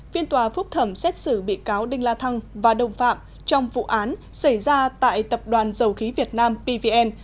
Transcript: phiên tòa phúc thẩm xét xử bị cáo đinh la thăng và đồng phạm trong vụ án xảy ra tại tập đoàn dầu khí việt nam pvn